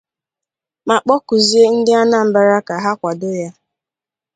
ma kpọkuzie ndị Anambra ka ha kwàdo ya.